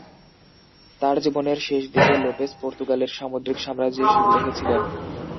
তার জীবনের শেষ দিকে, লোপেস পর্তুগালের সামুদ্রিক সাম্রাজ্যের শুরু দেখেছিলেন।